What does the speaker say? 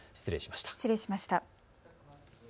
失礼しました。